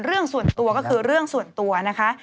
เรื่องส่วนตัวก็คือเรื่องส่วนตัวนะคะ